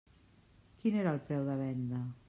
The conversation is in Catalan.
Quin era el preu de venda?